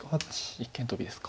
一間トビですか。